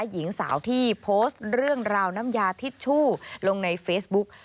หญิงสาวที่โพสต์เรื่องราวน้ำยาทิชชู่ลงในเฟซบุ๊ก